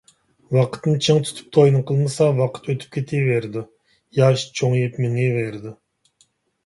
ۋاقىتنى چىڭ تۇتۇپ توينى قىلمىسا، ۋاقىت ئۆتۈپ كېتىۋېرىدۇ، ياش چوڭىيىپ مېڭىۋېرىدۇ.